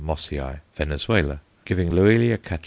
Mossiæ_, Venezuela, giving _Loelio Catt.